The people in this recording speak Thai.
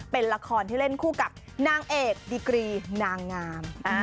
เป็นละครที่เล่นคู่กับนางเอกดิกรีนางงาม